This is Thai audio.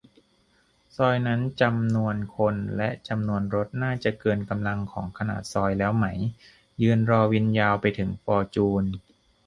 ซอยนั้นจำนวนคนและจำนวนรถน่าจะเกินกำลังของขนาดซอยแล้วไหม ยืนรอวินยาวไปถึงฟอร์จูน